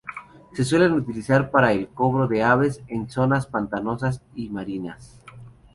Se suelen utilizar para el cobro de aves en zonas pantanosas y marinas.